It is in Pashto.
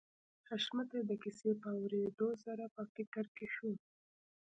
حشمتي د کيسې په اورېدو سره په فکر کې شو